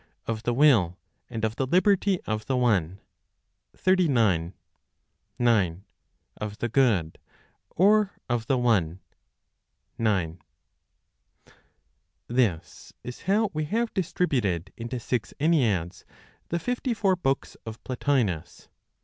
Of the Will, and of the Liberty of the One, 39. 9. Of the Good, or of the One, 9. This is how we have distributed into six Enneads the fifty four books of Plotinos.